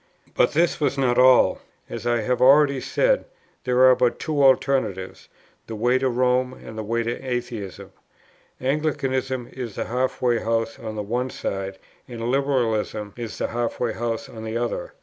But this was not all. As I have already said, there are but two alternatives, the way to Rome, and the way to Atheism: Anglicanism is the halfway house on the one side, and Liberalism is the halfway house on the other.